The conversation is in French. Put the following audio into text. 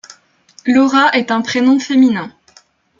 Laura est un prénom féminin.